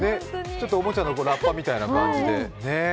ちょっと、おもちゃのラッパみたいな感じで。